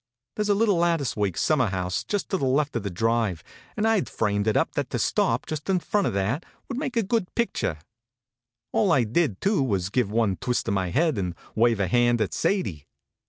There s a little lattice work sum mer house just to the left of the drive, and I d framed it up that to stop just in front of that would make a good picture. HONK, HONK! All I did, too, was give one twist of my head and wave a hand at Sadie.